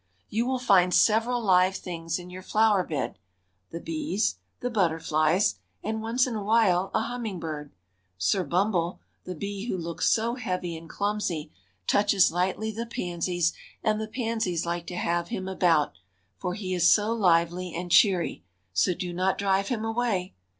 You will find several live things in your flower bed; the bees, the butterflies, and once in a while a humming bird. Sir Bumble, the bee who looks so heavy and clumsy, touches lightly the pansies, and the pansies like to have him about, for he is so lively and cheery, so do not drive him away.